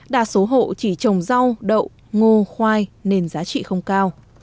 đa số hộ chỉ trồng rau đậu ngô khoai nên giá trị không cao